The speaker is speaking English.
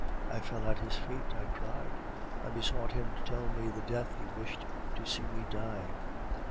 I fell at his feet.... I cried; I besought him to tell me the death he wished to see me die."